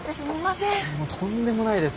とんでもないです。